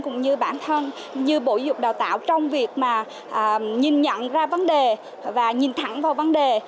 cũng như bản thân như bộ dục đào tạo trong việc mà nhìn nhận ra vấn đề và nhìn thẳng vào vấn đề